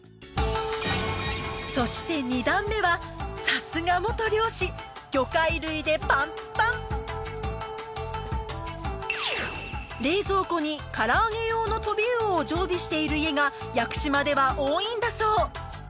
そして２段目はさすが元漁師魚介類でパンパン冷蔵庫に唐揚げ用のトビウオを常備している家が屋久島では多いんだそう